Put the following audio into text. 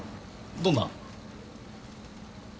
どんな？